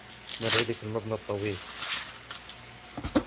ما ذلك المبنى الطويل ؟